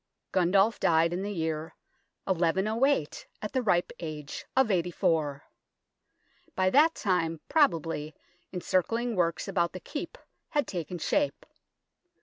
Gundulf died in the year 1108 at the ripe age of eighty four. By that time, probably, encircling works about the Keep had taken shape.